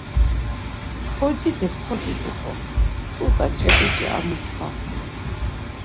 Xociti xoci t̆uǩon, tzut̆a, ç̌ep̌iç̌i ar muntxa.